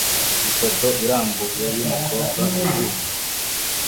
Ifoto irambuye yumukobwa uhuha